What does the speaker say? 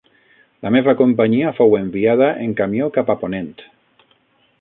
La meva companyia fou enviada en camió cap a ponent